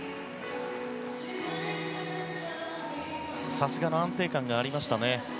さすがの安定感がありましたね。